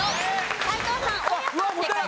斎藤さん大家さん正解です。